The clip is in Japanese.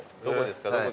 どこですか？